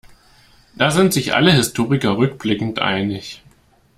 Da sind sich alle Historiker rückblickend einig.